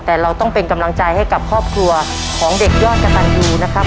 แต่เราต้องเป็นกำลังใจให้กับครอบครัวของเด็กยอดกระตันยูนะครับ